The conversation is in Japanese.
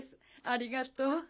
ありがとう。